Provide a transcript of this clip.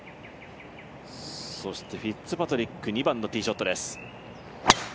そしてフィッツパトリック、２番のティーショットです。